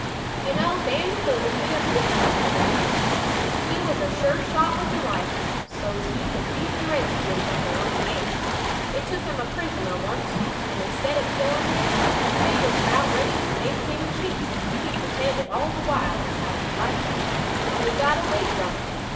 "You know, Dan'l Boone he had lived among the Injuns. He was a sure shot with the rifle so's he could beat the redskins at their own game. They took him a prisoner oncet, and instead of killin' him, they was about ready to make him chief he pretended all the while as how he'd like that when he got away from 'em.